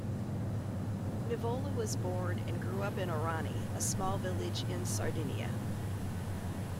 Nivola was born and grew up in Orani, a small village in Sardinia.